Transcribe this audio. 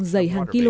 dày hàn kia